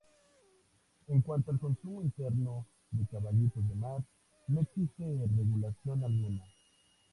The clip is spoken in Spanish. En cuanto al consumo interno de caballitos de mar, no existe regulación alguna.